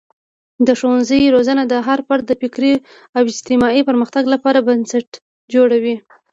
د ښوونځي روزنه د هر فرد د فکري او اجتماعي پرمختګ لپاره بنسټ جوړوي.